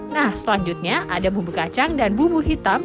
nah selanjutnya ada bumbu kacang dan bumbu hitam